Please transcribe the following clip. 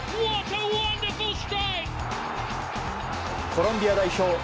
コロンビア代表